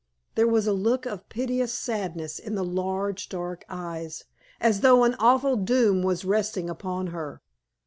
There was a look of piteous sadness in the large, dark eyes, as though an awful doom was resting upon her.